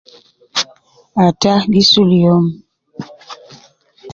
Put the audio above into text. Ataa gi sul youm